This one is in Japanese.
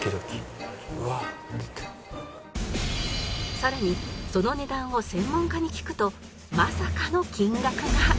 さらにその値段を専門家に聞くとまさかの金額が